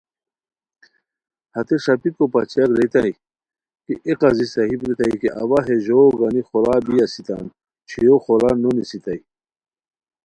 ہتے ݰاپیکو پاچئیاک ریتائے کی اے قاضی صاحب ریتائے کی اوا ہے ژوؤ گانی خورا بی اسیتام چھویو خورا نونیستائے